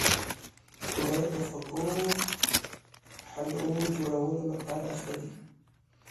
اوړه د خوږو حلوو جوړولو لپاره ښه دي